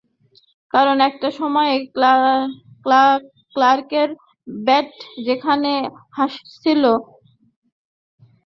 কারণ, একটা সময়ে ক্লার্কের ব্যাট যেভাবে হাসছিল, পন্টিংয়েরটা ঠিক সেভাবে হাসছিল না।